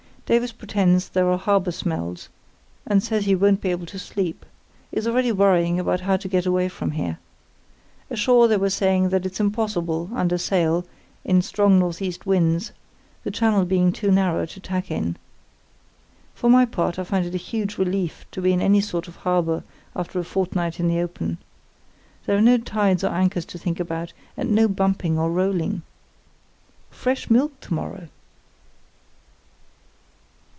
Davies pretends there are harbour smells, and says he won't be able to sleep; is already worrying about how to get away from here. Ashore, they were saying that it's impossible, under sail, in strong north east winds, the channel being too narrow to tack in. For my part I find it a huge relief to be in any sort of harbour after a fortnight in the open. There are no tides or anchors to think about, and no bumping or rolling. Fresh milk to morrow!"